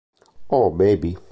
Oh Baby!